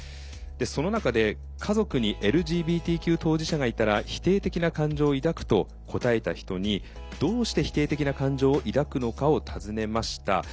その中で「家族にＬＧＢＴＱ当事者がいたら否定的な感情を抱く」と答えた人にどうして否定的な感情を抱くのかを尋ねました。